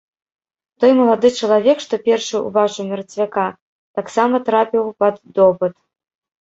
Той малады чалавек, што першы ўбачыў мерцвяка, таксама трапіў пад допыт.